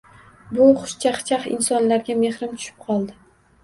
Bu xushchaqchaq insonlarga mehrim tushib qoldi.